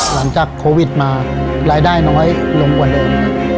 หลังจากโควิดมารายได้น้อยลงกว่าเดิม